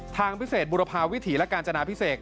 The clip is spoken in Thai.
ทางพิเศษบุรพาวิถีและกาญจนาพิเศษ